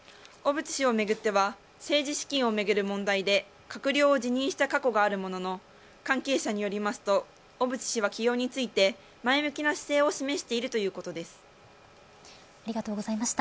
小渕氏をめぐっては政治資金をめぐる問題で閣僚を辞任した過去があるものの関係者によりますと小渕氏は起用について前向きな姿勢を示しているありがとうございました。